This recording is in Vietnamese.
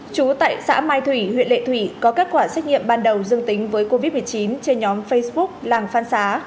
chú tại xã mai thủy huyện lệ thủy có kết quả xét nghiệm ban đầu dương tính với covid một mươi chín trên nhóm facebook làng phan xá